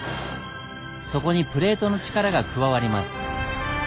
そこにプレートの力が加わります。